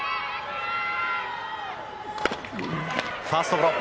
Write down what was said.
ファーストゴロ。